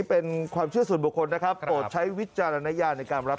เป็นแบบนี้เลยครับ